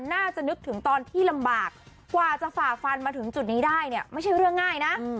นึกถึงตอนที่ลำบากกว่าจะฝ่าฟันมาถึงจุดนี้ได้เนี่ยไม่ใช่เรื่องง่ายนะ